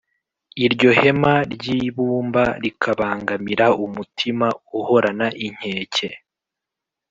iryo hema ry’ibumba rikabangamira umutima uhorana inkeke.